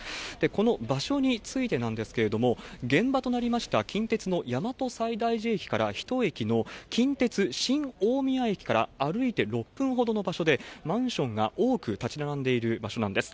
この場所についてなんですけれども、現場となりました近鉄の大和西大寺駅から１駅の近鉄新大宮駅から歩いて６分ほどの場所で、マンションが多く建ち並んでいる場所なんです。